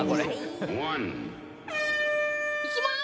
行きます。